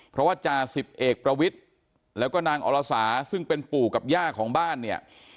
เพราะว่าจ่าสิบเอกประวิทย์แล้วก็นางอรสาซึ่งเป็นปู่กับย่าของบ้านเนี่ย